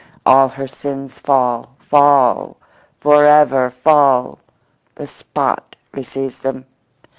All her sins fall, fall, for ever fall. The spot receives them.